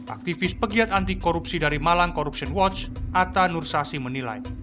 aktivis pegiat anti korupsi dari malang corruption watch atta nursasi menilai